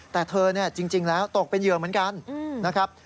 แต่เธอจริงแล้วตกเป็นเยืองเหมือนกัน